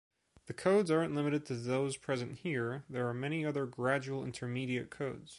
The codes aren’t limited to those present here, there are many other gradual intermediate codes.